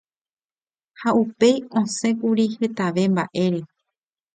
ha upéi osẽkuri hetave mba'ére